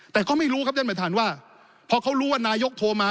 แต่ก็ไม่รู้ครับท่านประธานว่าพอเขารู้ว่านายกโทรมา